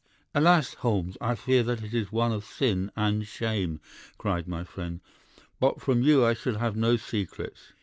"'Alas, Holmes, I fear that it is one of sin and shame!' cried my friend. 'But from you I shall have no secrets.